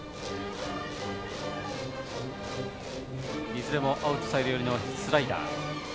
いずれもアウトサイド寄りのスライダー。